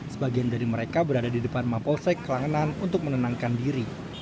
sebagian dari mereka berada di depan mapolsek kelangenan untuk menenangkan diri